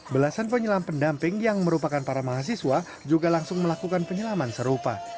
belasan penyelam pendamping yang merupakan para mahasiswa juga langsung melakukan penyelaman serupa